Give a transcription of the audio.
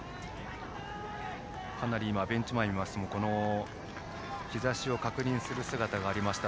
かなりベンチ前で日ざしを確認する姿がありました